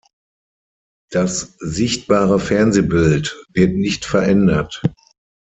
Das sichtbare Fernsehbild wird nicht verändert.